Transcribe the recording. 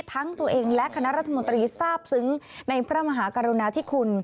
ทั้งตัวเองและคณะรัฐมนตรีทราบซึ้งในพระมหากรุณาธิคุณ